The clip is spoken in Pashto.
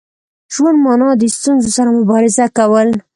ژوند مانا د ستونزو سره مبارزه کول.